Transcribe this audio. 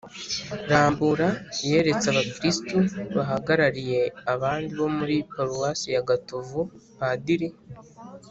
rambura yeretse abakristu bahagarariye abandi bo muri paruwasi ya gatovu, padiri